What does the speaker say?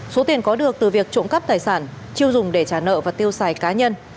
số tiền có được từ việc trộm cắp tài sản chưa dùng để trả nợ và tiêu xài cá nhân